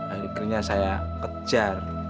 akhirnya saya kejar